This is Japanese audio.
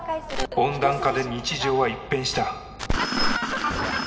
温暖化で日常は一変した。